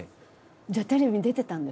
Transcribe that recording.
じゃあテレビに出てたんですね